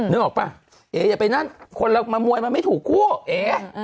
นึกออกป่ะเออย่าไปนั่นคนเรามามวยมันไม่ถูกคู่เอ